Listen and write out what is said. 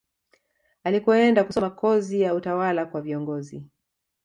Alikoenda kusoma kozi ya utawala kwa viongozi